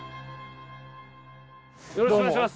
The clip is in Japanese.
よろしくお願いします。